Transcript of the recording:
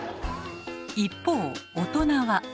一方大人は。